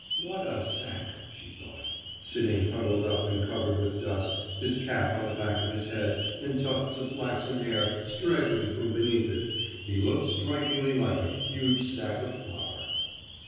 'What a sack!' she thought. Sitting huddled up and covered with dust, his cap on the back of his head and tufts of flaxen hair straggling from beneath it, he looked strikingly like a huge sack of flour.